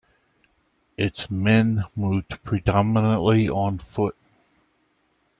Its men moved predominantly on foot.